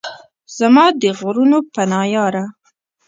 زما د غرونو پناه یاره!